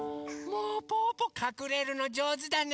もうぽぅぽかくれるのじょうずだね。